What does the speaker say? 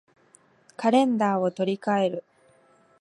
カレンダーを取り換える